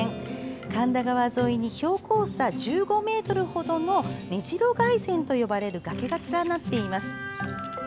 神田川沿いに標高差１５ｍほどの目白崖線と呼ばれる崖が連なっています。